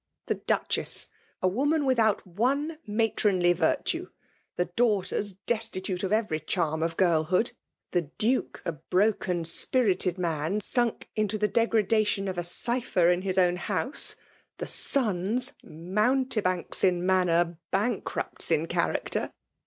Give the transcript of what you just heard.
" The Duchess, a woman without one matronly virtue; — the daughters, destitute of every charm of girl hood;— the Duke, a broken spirited man, sunk into the degradation of a cypher in Ids own house;— the sons, mountebanks in manner. / FEMALfi DOMINATION. 21 & bankrupts in eharaeter.